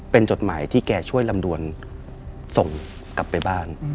เป็นจดหมายที่แกช่วยลำดวนส่งกลับไปบ้าน